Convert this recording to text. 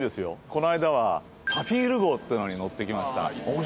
この間は、サフィール号っていうのに乗ってきました。